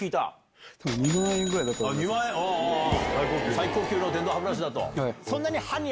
最高級の電動歯ブラシだ！と。